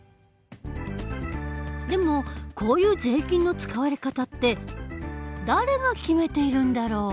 でもこういう税金の使われ方って誰が決めているんだろう？